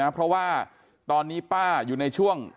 เพราะว่าตอนนี้ป้าอยู่ในช่วง